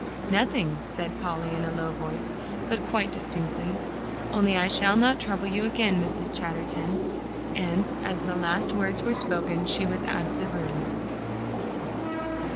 "Nothing," said Polly in a low voice, but quite distinctly, "only I shall not trouble you again, Mrs. Chatterton." And as the last words were spoken, she was out of the room.